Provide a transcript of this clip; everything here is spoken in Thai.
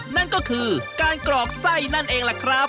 นั่นก็คือการกรอกไส้นั่นเองล่ะครับ